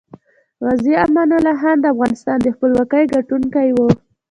غازي امان الله خان دافغانستان دخپلواکۍ ګټونکی وه